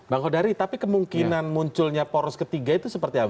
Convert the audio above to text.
bang kodari tapi kemungkinan munculnya poros ketiga itu seperti apa